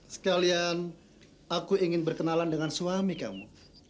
sekalian aku ingin berkenalan dengan suami kamu